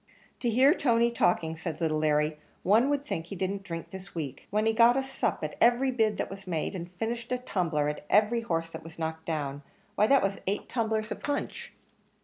"To hear Tony talking," said little Larry, "one would think he didn't drink this week; when he got a sup at every bid that was made, and finished a tumbler as every horse was knocked down; why that was eight tumblers of punch!"